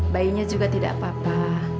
bayinya juga tidak apa apa